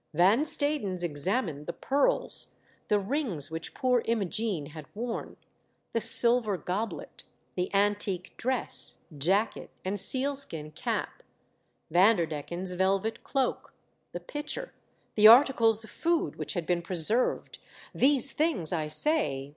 Van Stadens examined the pearls, the rings which poor Imogene had worn, the silver goblet, the antique dress, jacket and seal skin cap, Vanderdecken's velvet cloak, the pitcher, the articles of food which had been preserved, thc^e things, I say.